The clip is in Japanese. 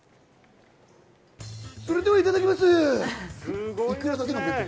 それではいただきます。